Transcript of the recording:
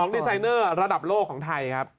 ดีไซเนอร์ระดับโลกของไทยครับ